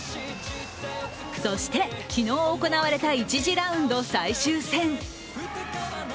そして、昨日行われた１次ラウンド最終戦。